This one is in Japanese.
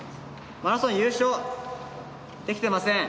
マラソン優勝できてません。